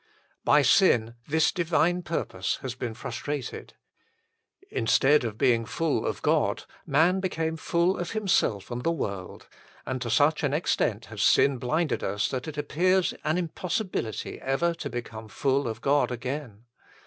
By sin this divine purpose has been frustrated. Instead of being full of God, man became full of himself and the world ; and to such an extent has sin blinded us that it appears an impossi bility ever to become full of God again.